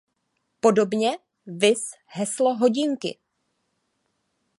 Podrobně viz heslo Hodinky.